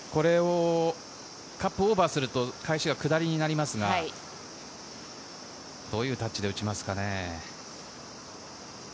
カップオーバーすると、返しは下りになりますが、どういうタッチで打ちますかね？